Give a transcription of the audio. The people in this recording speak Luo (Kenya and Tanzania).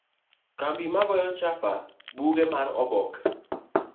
Kambi ma goyo chapa buge mar oboke.